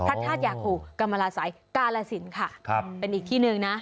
พระธาตุยาคูกรรมราศัยกาลสินค่ะครับเป็นอีกที่หนึ่งนะ